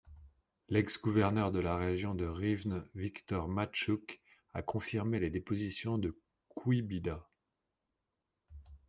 L'ex-gouverneur de la région de Rivne Victor Mattchouk a confirmé les dépositions de Kouybida.